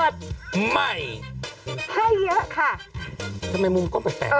ทำไมมุมกล้องเป็นแปลง